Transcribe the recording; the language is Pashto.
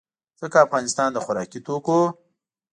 ځکه افغانستان د خوراکي توکو